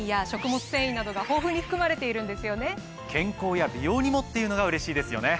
健康や美容にもっていうのがうれしいですよね。